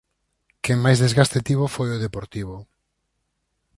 Quen máis desgaste tivo foi o Deportivo...